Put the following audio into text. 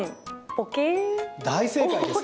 大正解です。